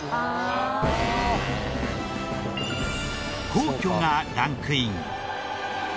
皇居がランクイン。